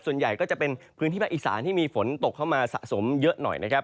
ส่วนใหญ่ก็จะเป็นพื้นที่ภาคอีสานที่มีฝนตกเข้ามาสะสมเยอะหน่อยนะครับ